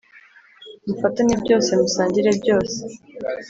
mufatanye byose musangire byose